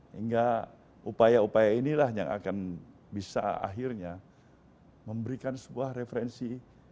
hingga upaya upaya inilah yang akan bisa akhirnya memberikan sebuah referensi